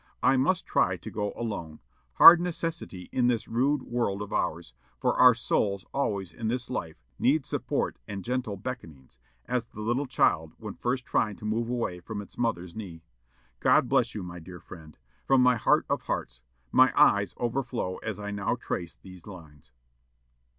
I must try to go alone, hard necessity in this rude world of ours, for our souls always in this life need support and gentle beckonings, as the little child when first trying to move away from its mother's knee. God bless you, my dear friend, from my heart of hearts. My eyes overflow as I now trace these lines."